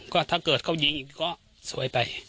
ก็ถ้าเกิดเขายิงก็สวยไป